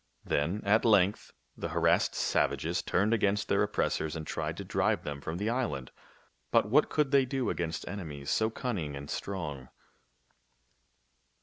Then at length the har assed savages turned, against their oppiressdrs and tried to drive them from the island ; but what could they do against enemies so cunning and strong